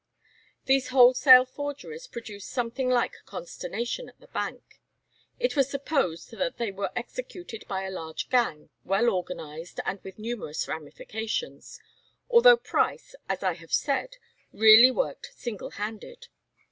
These wholesale forgeries produced something like consternation at the Bank. It was supposed that they were executed by a large gang, well organized and with numerous ramifications, although Price, as I have said, really worked single handed.